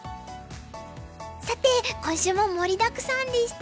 さて今週も盛りだくさんでした。